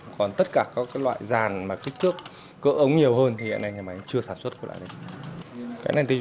còn tất cả các loại giàn mà kích thước cỡ ống nhiều hơn thì hiện nay nhà máy chưa sản xuất lại